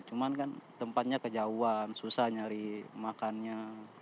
cuman kan tempatnya kejauhan susah nyari makannya